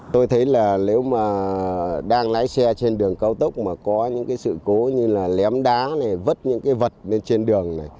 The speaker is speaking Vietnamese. tôi thấy là nếu mà đang lái xe trên đường cao tốc mà có những sự cố như lém đá vứt những vật trên đường